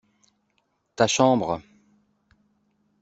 Ta chambre.